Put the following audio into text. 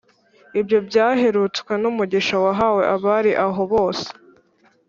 ibyo byaherutswe n’umugisha wahawe abari aho bose.